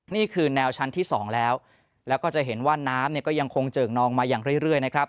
นี่คือแนวชั้นที่๒แล้วแล้วก็จะเห็นว่าน้ำเนี่ยก็ยังคงเจิ่งนองมาอย่างเรื่อยนะครับ